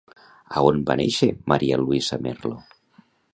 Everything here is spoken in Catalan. A on va néixer María Luisa Merlo?